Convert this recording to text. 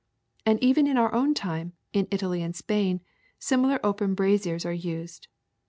And even in our ovna time, in Italy and Spain, simi lar open braziers are used.''